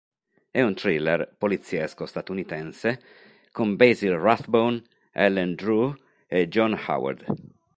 È un thriller poliziesco statunitense con Basil Rathbone, Ellen Drew e John Howard.